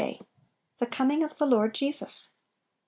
THE COMING OF THE LORD JESUS.